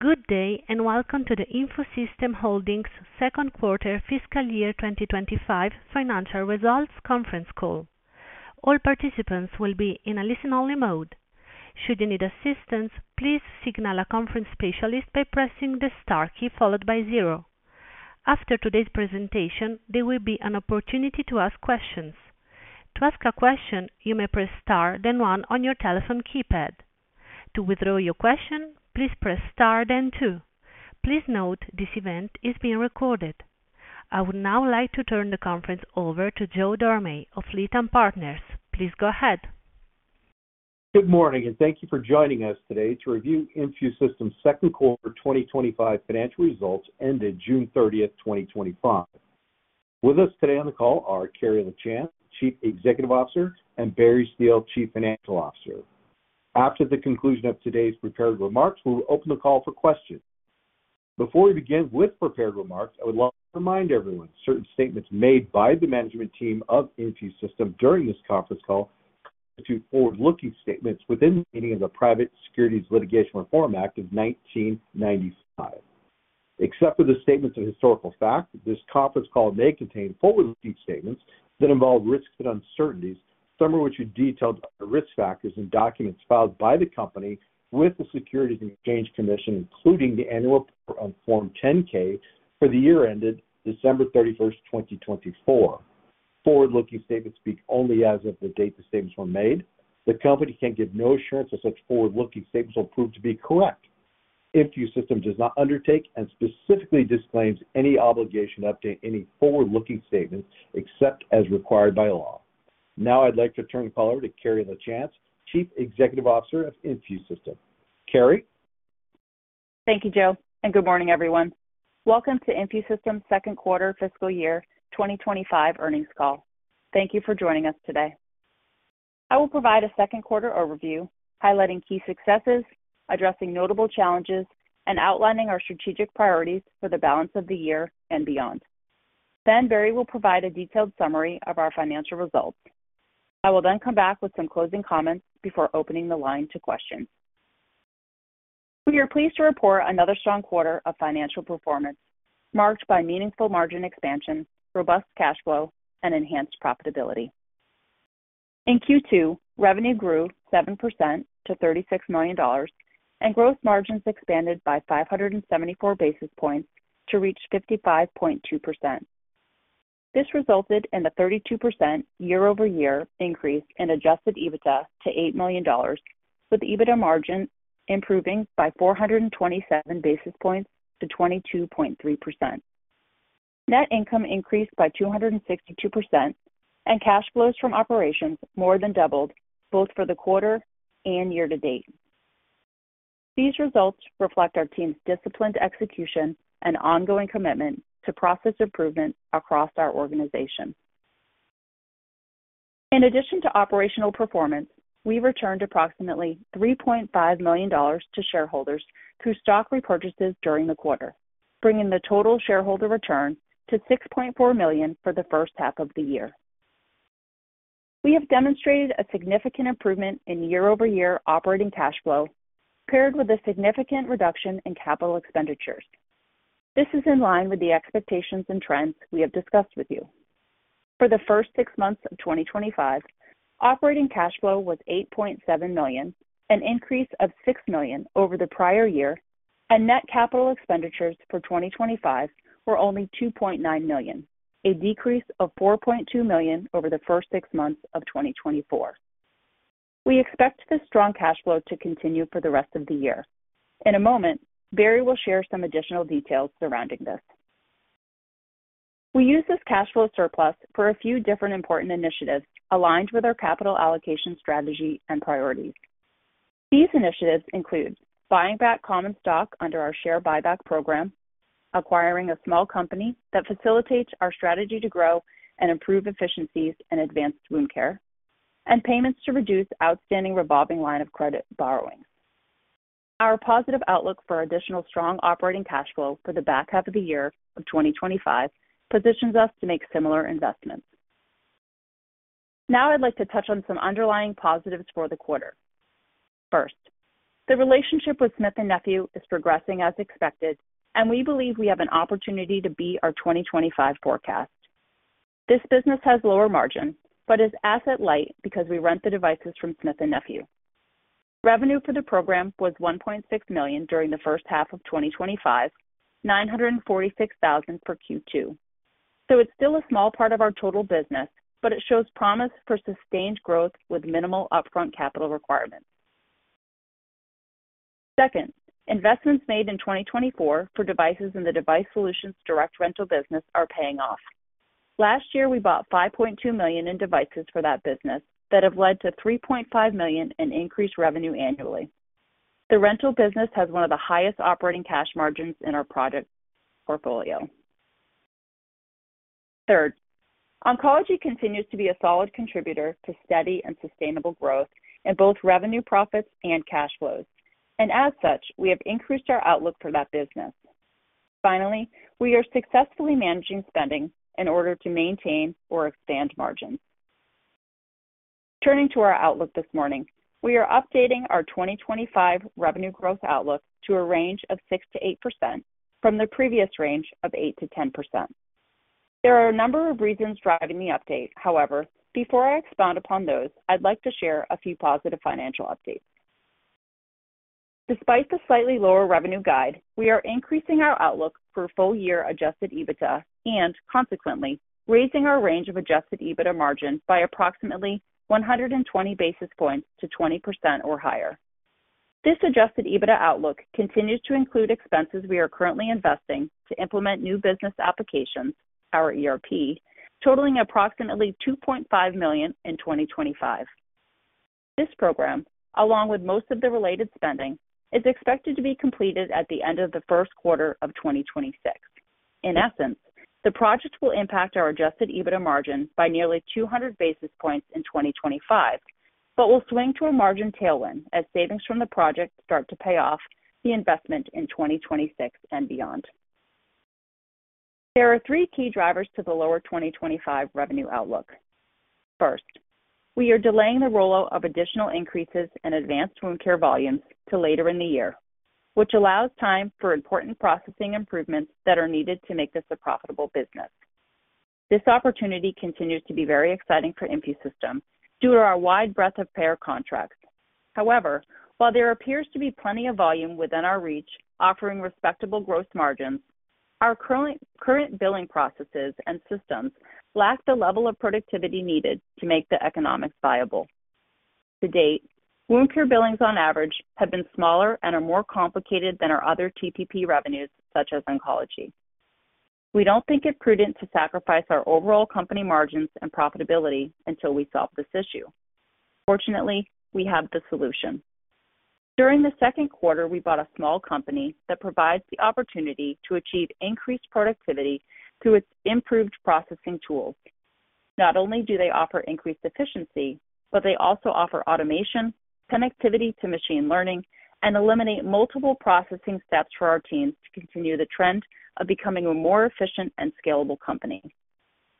Good day and welcome to the InfuSystem Holdings' second quarter fiscal year 2025 financial results conference call. All participants will be in a listen-only mode. Should you need assistance, please signal a conference specialist by pressing the star key followed by zero. After today's presentation, there will be an opportunity to ask questions. To ask a question, you may press star, then one on your telephone keypad. To withdraw your question, please press star, then two. Please note this event is being recorded. I would now like to turn the conference over to Joe Dorame of Lake Street Capital Markets. Please go ahead. Good morning and thank you for joining us today to review InfuSystem Holdings' second quarter 2025 financial results ended June 30, 2025. With us today on the call are Carrie Lachance, Chief Executive Officer, and Barry Steele, Chief Financial Officer. After the conclusion of today's prepared remarks, we will open the call for questions. Before we begin with prepared remarks, I would like to remind everyone that certain statements made by the management team of InfuSystem Holdings during this conference call constitute forward-looking statements within the Private Securities Litigation Reform Act of 1995. Except for the statements of historical fact, this conference call may contain forward-looking statements that involve risks and uncertainties, some of which are detailed by risk factors in documents filed by the company with the Securities and Exchange Commission, including the annual report on Form 10-K for the year ended December 31, 2024. Forward-looking statements speak only as of the date the statements were made. The company can give no assurance that such forward-looking statements will prove to be correct. InfuSystem Holdings does not undertake and specifically disclaims any obligation to update any forward-looking statements except as required by law. Now I'd like to turn the call over to Carrie Lachance, Chief Executive Officer of InfuSystem Holdings. Carrie? Thank you, Joe, and good morning, everyone. Welcome to InfuSystem Holdings' second quarter fiscal year 2025 earnings call. Thank you for joining us today. I will provide a second quarter overview, highlighting key successes, addressing notable challenges, and outlining our strategic priorities for the balance of the year and beyond. Barry will provide a detailed summary of our financial results. I will then come back with some closing comments before opening the line to questions. We are pleased to report another strong quarter of financial performance, marked by meaningful margin expansion, robust cash flow, and enhanced profitability. In Q2, revenue grew 7% to $36 million, and gross margins expanded by 574 basis points to reach 55.2%. This resulted in a 32% year-over-year increase in adjusted EBITDA to $8 million, with EBITDA margin improving by 427 basis points to 22.3%. Net income increased by 262%, and cash flows from operations more than doubled, both for the quarter and year to date. These results reflect our team's disciplined execution and ongoing commitment to process improvement across our organization. In addition to operational performance, we returned approximately $3.5 million to shareholders through stock repurchases during the quarter, bringing the total shareholder return to $6.4 million for the first half of the year. We have demonstrated a significant improvement in year-over-year operating cash flow, paired with a significant reduction in capital expenditures. This is in line with the expectations and trends we have discussed with you. For the first six months of 2025, operating cash flow was $8.7 million, an increase of $6 million over the prior year, and net capital expenditures for 2025 were only $2.9 million, a decrease of $4.2 million over the first six months of 2024. We expect this strong cash flow to continue for the rest of the year. In a moment, Barry will share some additional details surrounding this. We use this cash flow surplus for a few different important initiatives aligned with our capital allocation strategy and priorities. These initiatives include buying back common stock under our share buyback program, acquiring a small company that facilitates our strategy to grow and improve efficiencies in advanced wound care, and payments to reduce outstanding revolving line of credit borrowing. Our positive outlook for additional strong operating cash flow for the back half of the year of 2025 positions us to make similar investments. Now I'd like to touch on some underlying positives for the quarter. First, the relationship with Smith & Nephew is progressing as expected, and we believe we have an opportunity to beat our 2025 forecast. This business has lower margin, but is asset light because we rent the devices from Smith & Nephew. Revenue for the program was $1.6 million during the first half of 2025, $946,000 for Q2. It's still a small part of our total business, but it shows promise for sustained growth with minimal upfront capital requirements. Second, investments made in 2024 for devices in the Device Solutions direct rental business are paying off. Last year, we bought $5.2 million in devices for that business that have led to $3.5 million in increased revenue annually. The rental business has one of the highest operating cash margins in our project portfolio. Third, Oncology continues to be a solid contributor to steady and sustainable growth in both revenue, profits, and cash flows, and as such, we have increased our outlook for that business. Finally, we are successfully managing spending in order to maintain or expand margins. Turning to our outlook this morning, we are updating our 2025 revenue growth outlook to a range of 6-8% from the previous range of 8-10%. There are a number of reasons driving the update. However, before I expound upon those, I'd like to share a few positive financial updates. Despite the slightly lower revenue guide, we are increasing our outlook for full-year adjusted EBITDA and, consequently, raising our range of adjusted EBITDA margin by approximately 120 basis points to 20% or higher. This adjusted EBITDA outlook continues to include expenses we are currently investing to implement new business applications, our ERP system, totaling approximately $2.5 million in 2025. This program, along with most of the related spending, is expected to be completed at the end of the first quarter of 2026. In essence, the project will impact our adjusted EBITDA margin by nearly 200 basis points in 2025, but will swing to a margin tailwind as savings from the project start to pay off the investment in 2026 and beyond. There are three key drivers to the lower 2025 revenue outlook. First, we are delaying the rollout of additional increases in advanced wound care volumes to later in the year, which allows time for important processing improvements that are needed to make this a profitable business. This opportunity continues to be very exciting for InfuSystem Holdings due to our wide breadth of payer contracts. However, while there appears to be plenty of volume within our reach, offering respectable gross margins, our current billing processes and systems lack the level of productivity needed to make the economics viable. To date, wound care billings on average have been smaller and are more complicated than our other TPP revenues, such as Oncology. We don't think it's prudent to sacrifice our overall company margins and profitability until we solve this issue. Fortunately, we have the solution. During the second quarter, we bought a small company that provides the opportunity to achieve increased productivity through its improved processing tools. Not only do they offer increased efficiency, but they also offer automation, connectivity to machine learning, and eliminate multiple processing steps for our teams to continue the trend of becoming a more efficient and scalable company.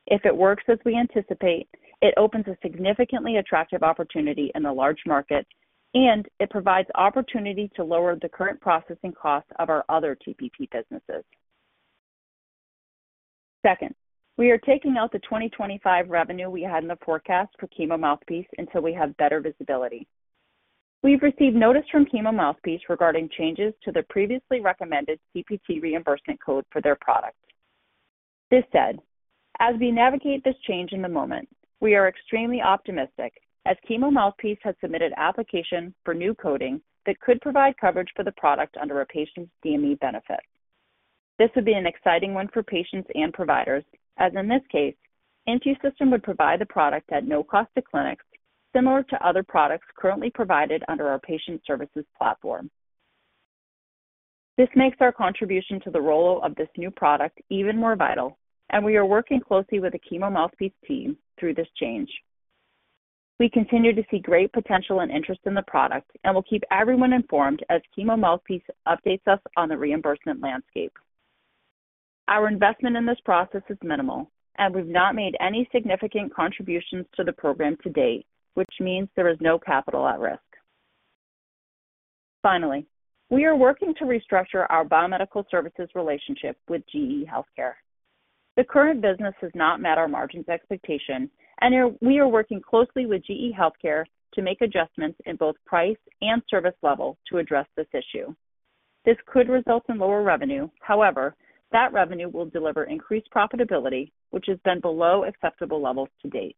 If it works as we anticipate, it opens a significantly attractive opportunity in a large market, and it provides opportunity to lower the current processing costs of our other TPP businesses. Second, we are taking out the 2025 revenue we had in the forecast for Chemo Mouthpiece until we have better visibility. We've received notice from Chemo Mouthpiece regarding changes to the previously recommended CPT reimbursement code for their product. This said, as we navigate this change in the moment, we are extremely optimistic as Chemo Mouthpiece has submitted applications for new coding that could provide coverage for the product under a patient's DME benefit. This would be an exciting one for patients and providers, as in this case, InfuSystem Holdings would provide the product at no cost to clinics, similar to other products currently provided under our patient services platform. This makes our contribution to the rollout of this new product even more vital, and we are working closely with the Chemo Mouthpiece team through this change. We continue to see great potential and interest in the product, and we'll keep everyone informed as Chemo Mouthpiece updates us on the reimbursement landscape. Our investment in this process is minimal, and we've not made any significant contributions to the program to date, which means there is no capital at risk. Finally, we are working to restructure our biomedical services relationship with GE Healthcare. The current business has not met our margins expectation, and we are working closely with GE Healthcare to make adjustments in both price and service level to address this issue. This could result in lower revenue, however, that revenue will deliver increased profitability, which has been below acceptable levels to date.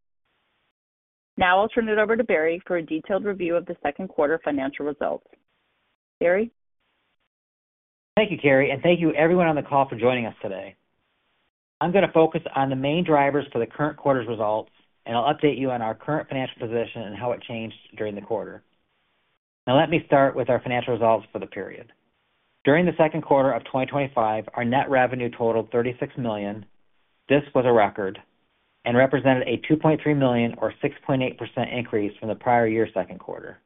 Now I'll turn it over to Barry for a detailed review of the second quarter financial results. Barry? Thank you, Carrie, and thank you everyone on the call for joining us today. I'm going to focus on the main drivers for the current quarter's results, and I'll update you on our current financial position and how it changed during the quarter. Now let me start with our financial results for the period. During the second quarter of 2025, our net revenue totaled $36 million. This was a record and represented a $2.3 million or 6.8% increase from the prior year's second quarter.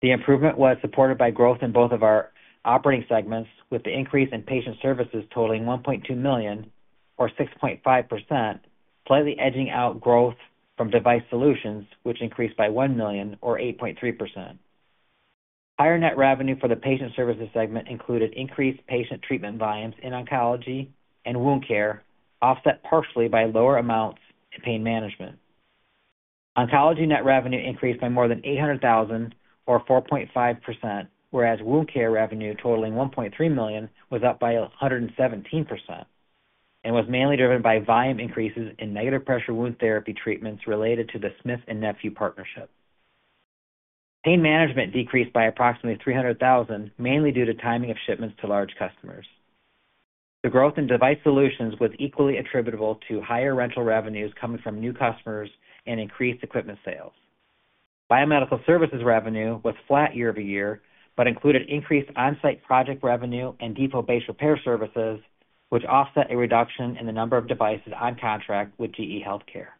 The improvement was supported by growth in both of our operating segments, with the increase in patient services totaling $1.2 million or 6.5%, slightly edging out growth from Device Solutions, which increased by $1 million or 8.3%. Higher net revenue for the patient services segment included increased patient treatment volumes in Oncology and Wound Therapy, offset partially by lower amounts in Pain Management. Oncology net revenue increased by more than $800,000 or 4.5%, whereas Wound Therapy revenue totaling $1.3 million was up by 117% and was mainly driven by volume increases in negative pressure wound therapy treatments related to the Smith & Nephew partnership. Pain Management decreased by approximately $300,000, mainly due to timing of shipments to large customers. The growth in Device Solutions was equally attributable to higher rental revenues coming from new customers and increased equipment sales. Biomedical services revenue was flat year-over-year but included increased on-site project revenue and depot-based repair services, which offset a reduction in the number of devices on contract with GE Healthcare.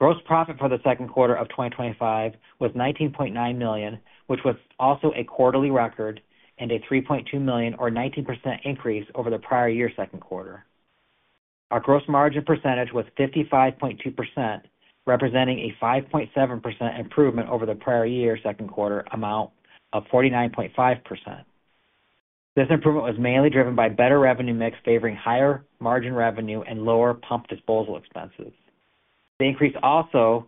Gross profit for the second quarter of 2025 was $19.9 million, which was also a quarterly record and a $3.2 million or 19% increase over the prior year's second quarter. Our gross margin percentage was 55.2%, representing a 5.7% improvement over the prior year's second quarter amount of 49.5%. This improvement was mainly driven by a better revenue mix favoring higher margin revenue and lower pump disposal expenses. The increase also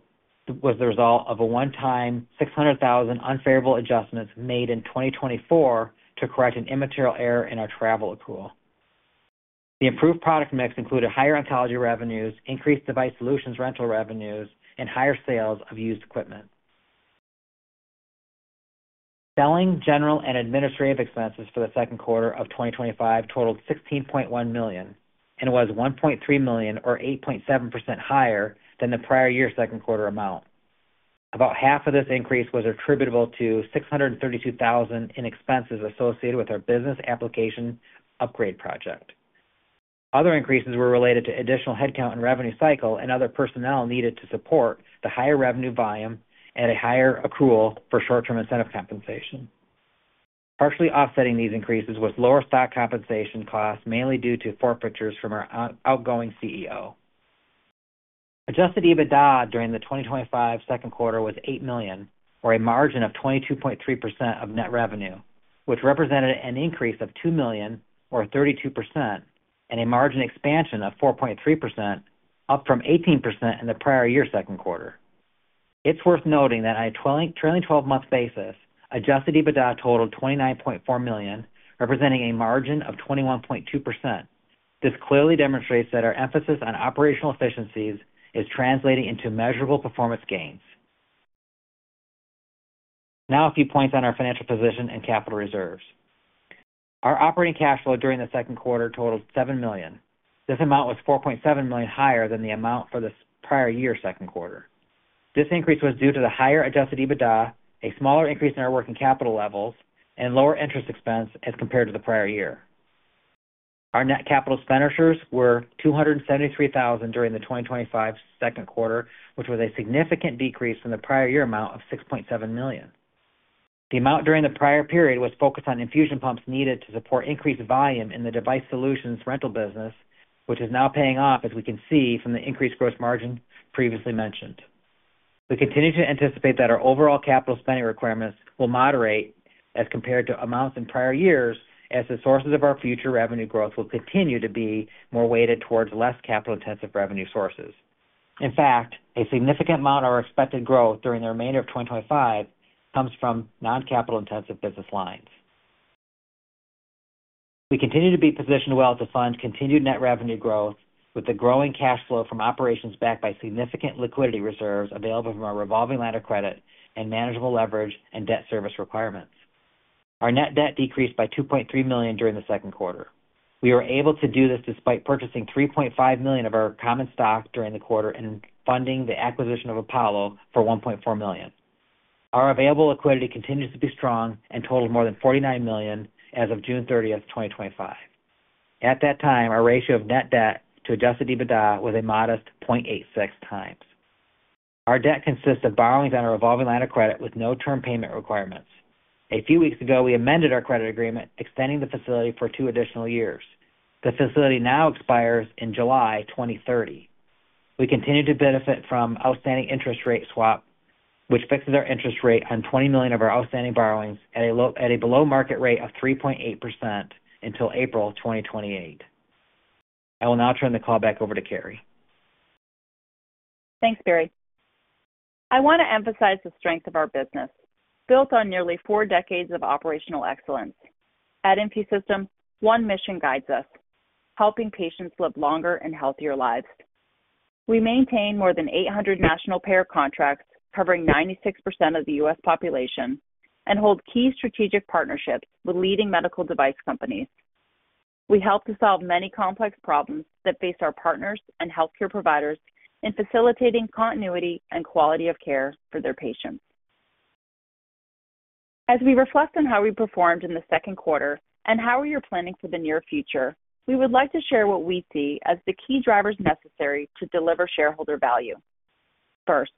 was the result of a one-time $600,000 unfavorable adjustment made in 2024 to correct an immaterial error in our travel accrual. The improved product mix included higher Oncology revenues, increased Device Solutions rental revenues, and higher sales of used equipment. Selling, general and administrative expenses for the second quarter of 2025 totaled $16.1 million and was $1.3 million or 8.7% higher than the prior year's second quarter amount. About half of this increase was attributable to $632,000 in expenses associated with our business application upgrade project. Other increases were related to additional headcount and revenue cycle and other personnel needed to support the higher revenue volume and a higher accrual for short-term incentive compensation. Partially offsetting these increases was lower stock compensation costs, mainly due to forfeitures from our outgoing CEO. Adjusted EBITDA during the 2025 second quarter was $8 million, or a margin of 22.3% of net revenue, which represented an increase of $2 million, or 32%, and a margin expansion of 4.3%, up from 18% in the prior year's second quarter. It's worth noting that on a trailing 12-month basis, adjusted EBITDA totaled $29.4 million, representing a margin of 21.2%. This clearly demonstrates that our emphasis on operational efficiencies is translating into measurable performance gains. Now a few points on our financial position and capital reserves. Our operating cash flow during the second quarter totaled $7 million. This amount was $4.7 million higher than the amount for the prior year's second quarter. This increase was due to the higher adjusted EBITDA, a smaller increase in our working capital levels, and lower interest expense as compared to the prior year. Our net capital expenditures were $273,000 during the 2025 second quarter, which was a significant decrease from the prior year amount of $6.7 million. The amount during the prior period was focused on infusion pumps needed to support increased volume in the Device Solutions rental business, which is now paying off, as we can see from the increased gross margin previously mentioned. We continue to anticipate that our overall capital spending requirements will moderate as compared to amounts in prior years, as the sources of our future revenue growth will continue to be more weighted towards less capital-intensive revenue sources. In fact, a significant amount of our expected growth during the remainder of 2025 comes from non-capital-intensive business lines. We continue to be positioned well to fund continued net revenue growth with the growing cash flow from operations backed by significant liquidity reserves available from our revolving line of credit and manageable leverage and debt service requirements. Our net debt decreased by $2.3 million during the second quarter. We were able to do this despite purchasing $3.5 million of our common stock during the quarter and funding the acquisition of Apollo for $1.4 million. Our available liquidity continues to be strong and totals more than $49 million as of June 30, 2025. At that time, our ratio of net debt to adjusted EBITDA was a modest 0.86 times. Our debt consists of borrowings on our revolving line of credit with no term payment requirements. A few weeks ago, we amended our credit agreement, extending the facility for two additional years. The facility now expires in July 2030. We continue to benefit from outstanding interest rate swap, which fixes our interest rate on $20 million of our outstanding borrowings at a below-market rate of 3.8% until April 2028. I will now turn the call back over to Carrie. Thanks, Barry. I want to emphasize the strength of our business, built on nearly four decades of operational excellence. At InfuSystem, one mission guides us: helping patients live longer and healthier lives. We maintain more than 800 national payer contracts covering 96% of the U.S. population and hold key strategic partnerships with leading medical device companies. We help to solve many complex problems that face our partners and healthcare providers in facilitating continuity and quality of care for their patients. As we reflect on how we performed in the second quarter and how we are planning for the near future, we would like to share what we see as the key drivers necessary to deliver shareholder value. First,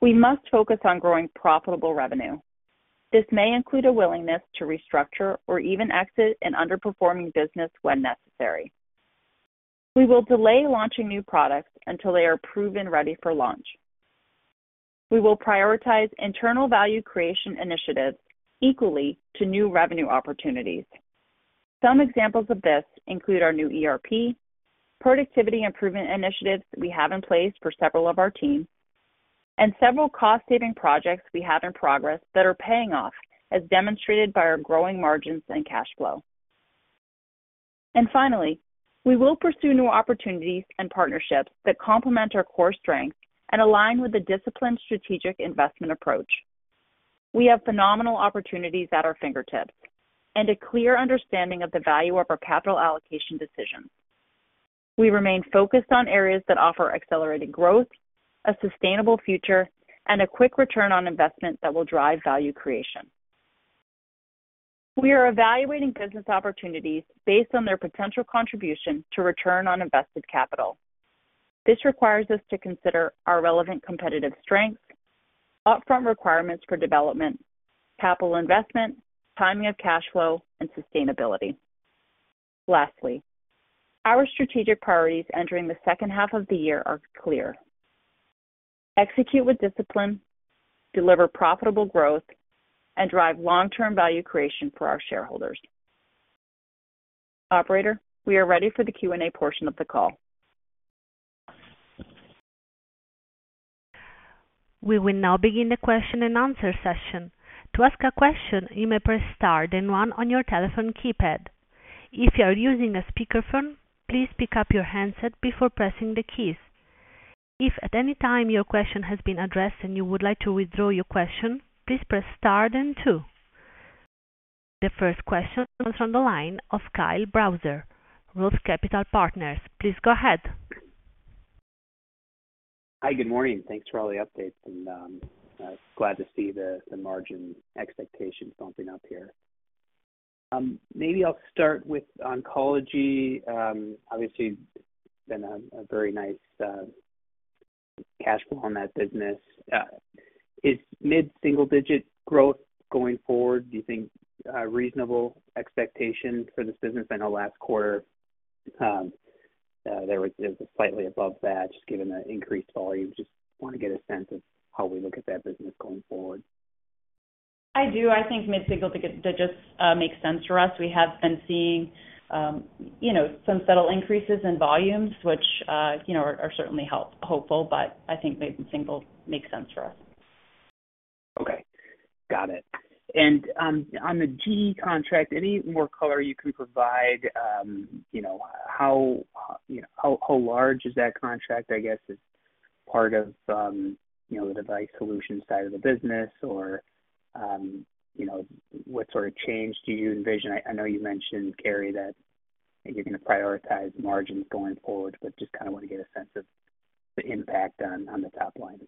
we must focus on growing profitable revenue. This may include a willingness to restructure or even exit an underperforming business when necessary. We will delay launching new products until they are proven ready for launch. We will prioritize internal value creation initiatives equally to new revenue opportunities. Some examples of this include our new ERP system, productivity improvement initiatives we have in place for several of our teams, and several cost-saving projects we have in progress that are paying off, as demonstrated by our growing margins and cash flow. Finally, we will pursue new opportunities and partnerships that complement our core strengths and align with a disciplined strategic investment approach. We have phenomenal opportunities at our fingertips and a clear understanding of the value of our capital allocation decisions. We remain focused on areas that offer accelerating growth, a sustainable future, and a quick return on investment that will drive value creation. We are evaluating business opportunities based on their potential contribution to return on invested capital. This requires us to consider our relevant competitive strengths, upfront requirements for development, capital investment, timing of cash flow, and sustainability. Lastly, our strategic priorities entering the second half of the year are clear: execute with discipline, deliver profitable growth, and drive long-term value creation for our shareholders. Operator, we are ready for the Q&A portion of the call. We will now begin the question and answer session. To ask a question, you may press star then one on your telephone keypad. If you are using a speakerphone, please pick up your headset before pressing the keys. If at any time your question has been addressed and you would like to withdraw your question, please press star then two. The first question comes from the line of Kyle Browser, Rose Capital Partners. Please go ahead. Hi, good morning. Thanks for all the updates, and I'm glad to see the margin expectations bumping up here. Maybe I'll start with Oncology. Obviously, it's been a very nice cash flow on that business. Is mid-single-digit growth going forward, do you think, a reasonable expectation for this business? I know last quarter they were slightly above that, just given the increased volumes. Just want to get a sense of how we look at that business going forward. I do. I think mid-single-digits makes sense for us. We have been seeing some subtle increases in volumes, which are certainly hopeful, but I think mid-single makes sense for us. Okay. Got it. On the GE Healthcare contract, any more color you can provide? How large is that contract? I guess it's part of the Device Solutions side of the business, or what sort of change do you envision? I know you mentioned, Carrie, that you're going to prioritize margins going forward, but just kind of want to get a sense of the impact on the top line.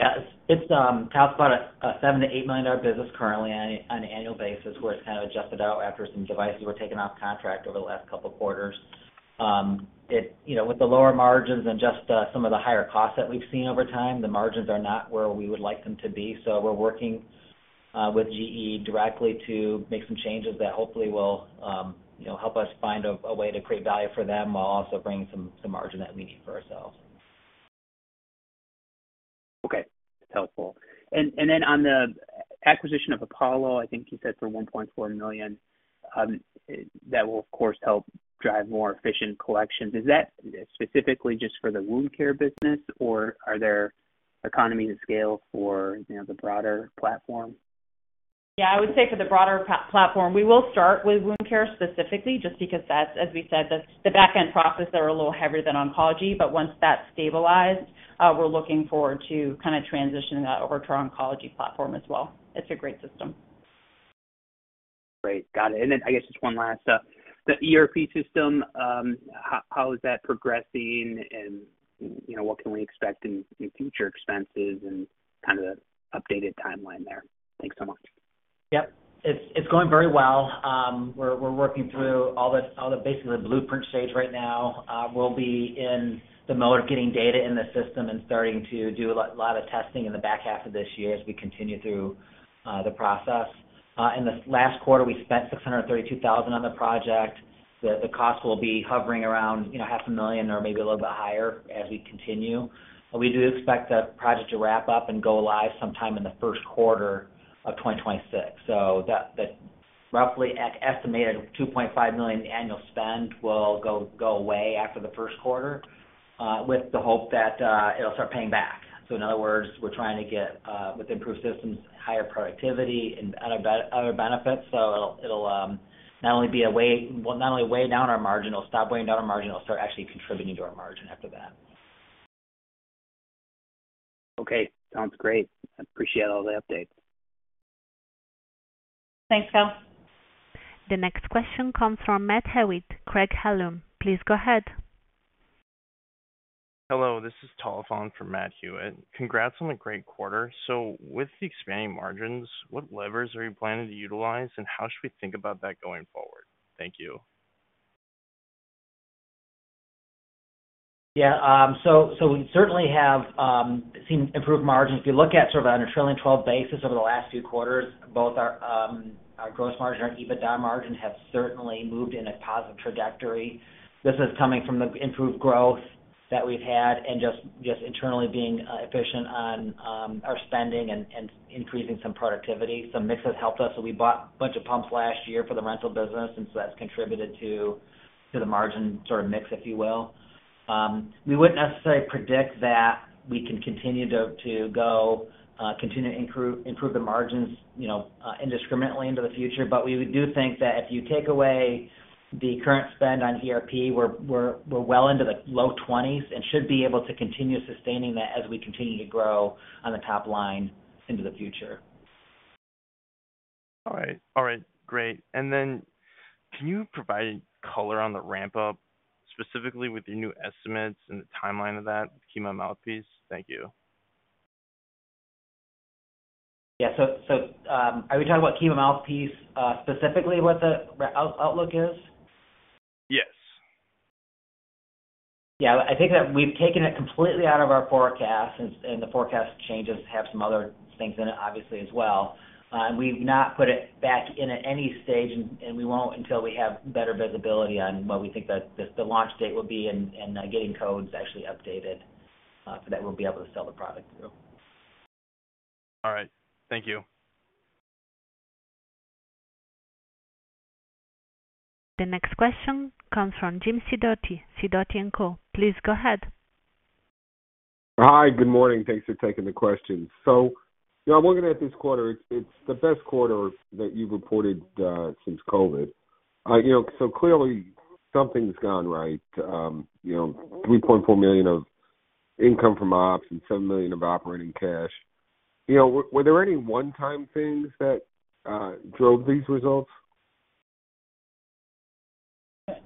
Yeah. It's talked about a $7-$8 million business currently on an annual basis. We're kind of adjusted out after some devices were taken off contract over the last couple of quarters. With the lower margins and just some of the higher costs that we've seen over time, the margins are not where we would like them to be. We're working with GE Healthcare directly to make some changes that hopefully will help us find a way to create value for them while also bringing some margin that we need for ourselves. Okay. Helpful. On the acquisition of Apollo, I think you said for $1.4 million, that will, of course, help drive more efficient collections. Is that specifically just for the wound care business, or are there economies of scale for the broader platform? I would say for the broader platform, we will start with Wound Therapy specifically, just because that's, as we said, the backend processes are a little heavier than Oncology. Once that's stabilized, we're looking forward to kind of transitioning that over to our Oncology platform as well. It's a great system. Great. Got it. I guess just one last, the ERP system, how is that progressing, and you know, what can we expect in future expenses and kind of the updated timeline there? Thanks so much. Yep. It's going very well. We're working through basically the blueprint stage right now. We'll be in the mode of getting data in the system and starting to do a lot of testing in the back half of this year as we continue through the process. In the last quarter, we spent $632,000 on the project. The cost will be hovering around, you know, half a million or maybe a little bit higher as we continue. We do expect the project to wrap up and go live sometime in the first quarter of 2026. That roughly estimated $2.5 million annual spend will go away after the first quarter, with the hope that it'll start paying back. In other words, we're trying to get, with improved systems, higher productivity and other benefits. It'll not only weigh down our margin, it'll stop weighing down our margin, it'll start actually contributing to our margin after that. Okay, sounds great. I appreciate all the updates. Thanks, Kyle. The next question comes from Matt Hewitt, Craig-Hallum Capital Group, Inc. Please go ahead. Hello. This is a call from Matt Hewitt. Congrats on the great quarter. With the expanding margins, what levers are you planning to utilize, and how should we think about that going forward? Thank you. Yeah. We certainly have seen improved margins. If you look at sort of on a trailing 12 basis over the last few quarters, both our gross margin and our EBITDA margin have certainly moved in a positive trajectory. This is coming from the improved growth that we've had and just internally being efficient on our spending and increasing some productivity. The mix has helped us. We bought a bunch of pumps last year for the rental business, and that's contributed to the margin mix, if you will. We wouldn't necessarily predict that we can continue to improve the margins, you know, indiscriminately into the future, but we do think that if you take away the current spend on ERP, we're well into the low 20% and should be able to continue sustaining that as we continue to grow on the top line into the future. All right. Great. Can you provide color on the ramp-up specifically with the new estimates and the timeline of that, Chemo Mouthpiece? Thank you. Are we talking about Chemo Mouthpiece specifically what the outlook is? Yes. I think that we've taken it completely out of our forecast, and the forecast changes have some other things in it, obviously, as well. We've not put it back in at any stage, and we won't until we have better visibility on what we think that the launch date will be and getting codes actually updated so that we'll be able to sell the product through. All right. Thank you. The next question comes from Jim Sidoti, Sidoti & Company. Please go ahead. Hi. Good morning. Thanks for taking the question. I'm looking at this quarter. It's the best quarter that you've reported since COVID. Clearly, something's gone right. $3.4 million of income from ops and $7 million of operating cash. Were there any one-time things that drove these results?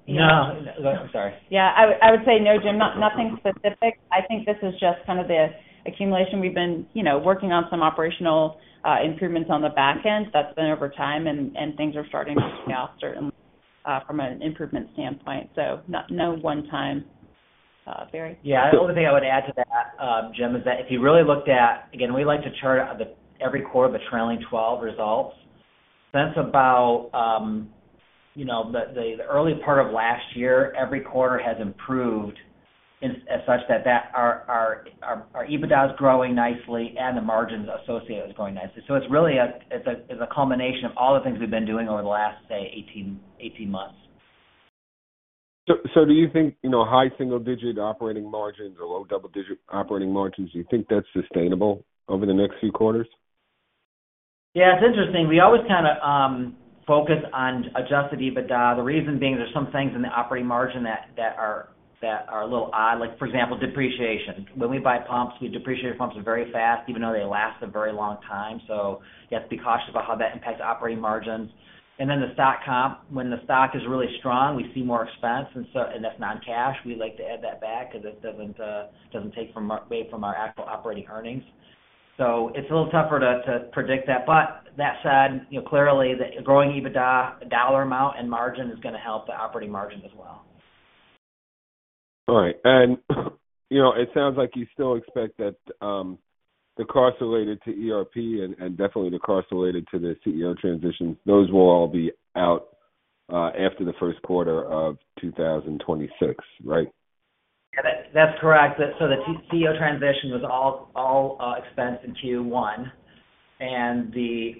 No, I'm sorry. Yeah. I would say no, Jim. Nothing specific. I think this is just kind of the accumulation. We've been working on some operational improvements on the backend. That's been over time, and things are starting to shake off, certainly from an improvement standpoint. No one-time. The only thing I would add to that, Jim, is that if you really looked at, again, we like to chart every quarter the trailing 12 results. Since about the early part of last year, every quarter has improved in such that our EBITDA is growing nicely, and the margins associated with it are growing nicely. It is really a culmination of all the things we've been doing over the last, say, 18 months. Do you think high single-digit operating margins or low double-digit operating margins, do you think that's sustainable over the next few quarters? Yeah. It's interesting. We always kind of focus on adjusted EBITDA, the reason being there's some things in the operating margin that are a little odd, like, for example, depreciation. When we buy pumps, we depreciate pumps very fast, even though they last a very long time. You have to be cautious about how that impacts operating margins. The stock comp, when the stock is really strong, we see more expense, and that's non-cash. We like to add that back because it doesn't take away from our actual operating earnings. It's a little tougher to predict that. That said, you know, clearly, the growing EBITDA dollar amount and margin is going to help the operating margin as well. All right. It sounds like you still expect that the costs related to the ERP system and definitely the costs related to the CEO transition, those will all be out after the first quarter of 2026, right? Yeah, that's correct. The CEO transition was all expensed in Q1. This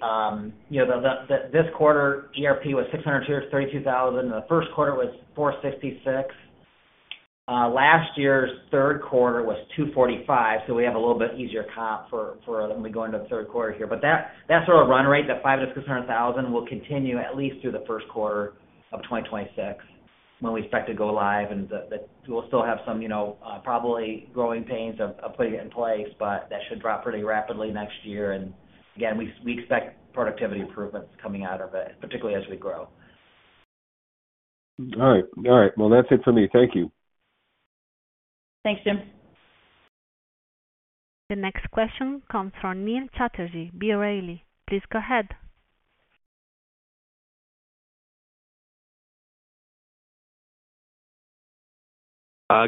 quarter, ERP was $632,000, and the first quarter was $466,000. Last year's third quarter was $245,000, so we have a little bit easier comp for when we go into the third quarter here. That sort of run rate, that $500,000-$600,000, will continue at least through the first quarter of 2026 when we expect to go live. We'll still have some, probably growing pains of putting it in place, but that should drop pretty rapidly next year. We expect productivity improvements coming out of it, particularly as we grow. All right. All right. That's it from me. Thank you. Thanks, Jim. The next question comes from Neil Chatterjee, Lake Street Capital Markets. Please go ahead.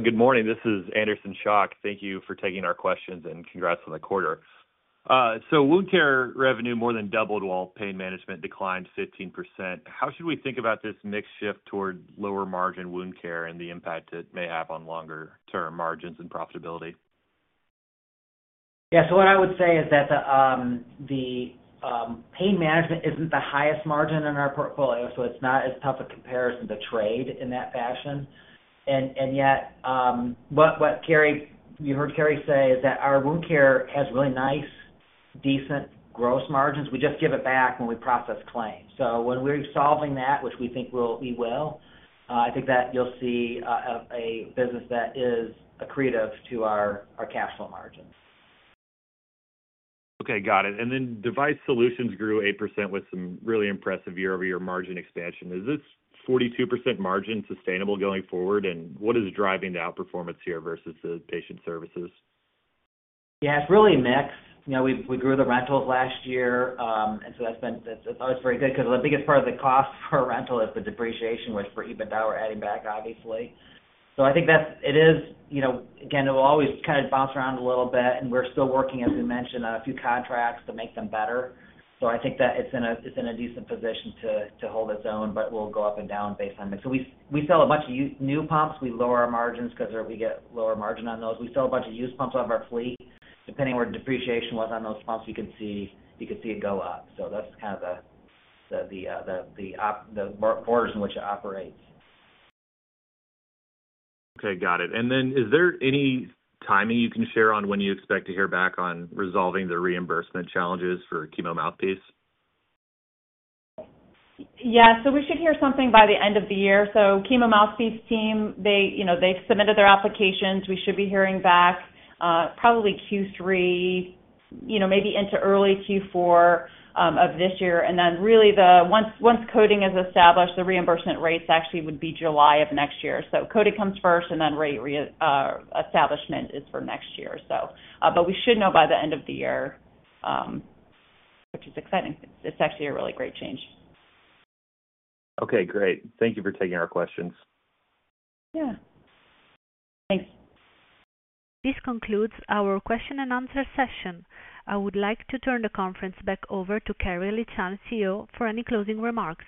Good morning. This is Anderson Schock. Thank you for taking our questions and congrats on the quarter. Wound care revenue more than doubled while Pain Management declined 15%. How should we think about this mix shift toward lower margin wound care and the impact it may have on longer-term margins and profitability? What I would say is that the Pain Management isn't the highest margin in our portfolio, so it's not as tough a comparison to trade in that fashion. Yet, what you heard Carrie say is that our Wound Therapy has really nice, decent gross margins. We just give it back when we process claims. When we're solving that, which we think we will, I think that you'll see a business that is accretive to our cash flow margins. Okay. Got it. Device Solutions grew 8% with some really impressive year-over-year margin expansion. Is this 42% margin sustainable going forward, and what is driving the outperformance here versus the patient services? Yeah, it's really a mix. You know, we grew the rentals last year, and that's been always very good because the biggest part of the cost for a rental is the depreciation, which for EBITDA we're adding back, obviously. I think that it is, you know, again, it will always kind of bounce around a little bit, and we're still working, as we mentioned, on a few contracts to make them better. I think that it's in a decent position to hold its own, but it will go up and down based on this. We sell a bunch of new pumps. We lower our margins because we get lower margin on those. We sell a bunch of used pumps out of our fleet. Depending on where depreciation was on those pumps, you could see it go up. That's kind of the borders in which it operates. Okay. Got it. Is there any timing you can share on when you expect to hear back on resolving the reimbursement challenges for Chemo Mouthpiece? Yeah. We should hear something by the end of the year. The Chemo Mouthpiece team, they, you know, they've submitted their applications. We should be hearing back probably Q3, maybe into early Q4 of this year. Once coding is established, the reimbursement rates actually would be July of next year. Coding comes first, and then rate reestablishment is for next year. We should know by the end of the year, which is exciting. It's actually a really great change. Okay. Great. Thank you for taking our questions. Yeah. Thanks. This concludes our question and answer session. I would like to turn the conference back over to Carrie Lachance, CEO, for any closing remarks.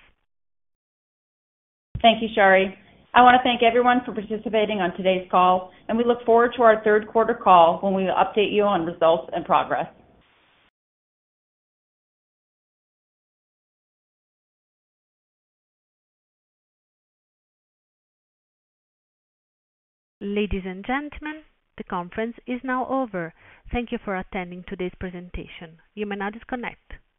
Thank you, Sherri. I want to thank everyone for participating on today's call, and we look forward to our third quarter call when we will update you on results and progress. Ladies and gentlemen, the conference is now over. Thank you for attending today's presentation. You may now disconnect.